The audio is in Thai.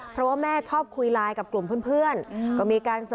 เพราะว่าแม่ชอบคุยไลน์กับกลุ่มเพื่อนก็มีการส่ง